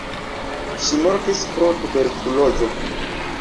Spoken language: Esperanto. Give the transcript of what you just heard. Ŝi mortis pro tuberkulozo.